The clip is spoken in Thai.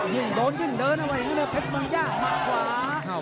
ยิ่งโดนก็ยิ่งเดินเอาไว้ก็เลยเพชรเมืองยากมาขวา